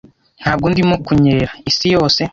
Ntabwo ndimo kunyerera isi yose,